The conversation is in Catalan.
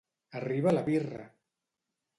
Arriba la birra!